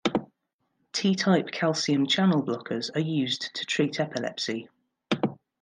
T-type calcium channel blockers are used to treat epilepsy.